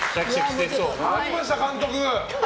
やりました、監督。